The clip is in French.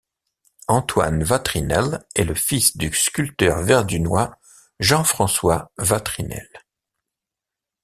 Antoine Watrinelle est le fils du sculpteur verdunois Jean-François Watrinelle.